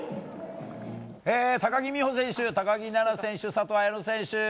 高木美帆選手、高木菜那選手佐藤綾乃選手